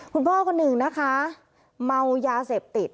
คุณพ่อคนหนึ่งนะคะเมายาเสพติด